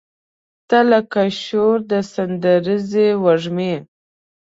تۀ لکه شور د سندریزې وږمې